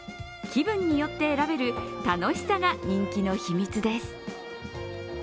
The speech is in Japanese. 気分によって選べる楽しさが人気の秘密です。